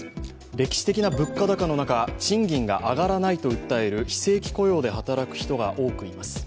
歴史的な物価高の中、賃金が上がらないと訴える非正規雇用で働く人が多くいます。